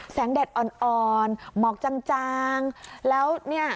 แสงแดดอ่อนหมอกจางแล้วเนี่ย